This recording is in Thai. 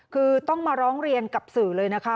คือต้องมาร้องเรียนกับสื่อเลยนะคะ